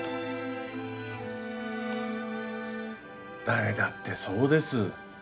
誰だってそうです。